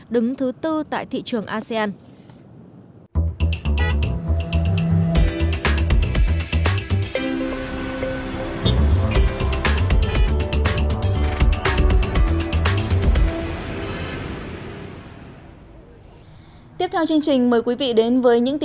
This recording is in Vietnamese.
đứng thứ tư tại thị trường asean